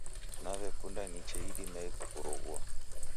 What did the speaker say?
Nawekunda niche idimie kukuroghua.